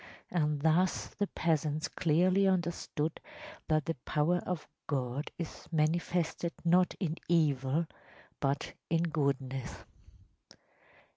And thus the peasants clearly understood that the power of God is manifested not in evil, but in goodness.